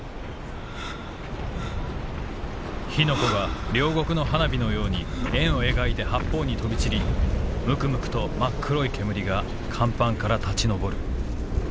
「火の粉が両国の花火のように円を描いて八方に飛び散りむくむくと真っ黒い煙が甲板から立ち上る」。